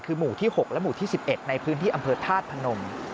คือหมู่ที่๖และหมู่ที่๑๑ในพื้นที่อำเภอธาตุพนม